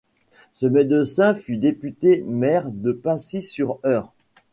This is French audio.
Ce médecin fut député-maire de Pacy-sur-Eure.